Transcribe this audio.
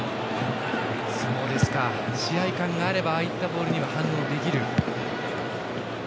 試合勘があればああいったボールには反応できる。